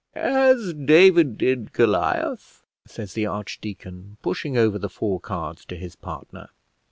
"As David did Goliath," says the archdeacon, pushing over the four cards to his partner.